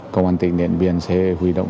công an tỉnh điện biên sẽ huy động